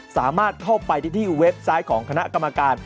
สามารถเข้าไปได้ที่เว็บไซต์ของคณะกรรมการ